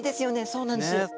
そうなんです。